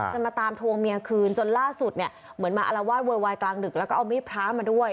มาตามทวงเมียคืนจนล่าสุดเนี่ยเหมือนมาอารวาสโวยวายกลางดึกแล้วก็เอามีดพระมาด้วย